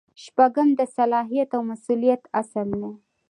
شپږم د صلاحیت او مسؤلیت اصل دی.